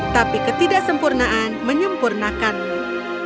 tapi ketidaksempurnaan menyempurnakanmu